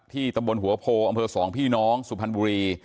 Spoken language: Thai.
ตำบลหัวโพอำเภอสองพี่น้องสุพรรณบุรี